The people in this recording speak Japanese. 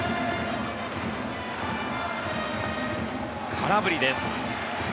空振りです。